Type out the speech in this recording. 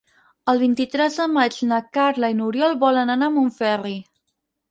El vint-i-tres de maig na Carla i n'Oriol volen anar a Montferri.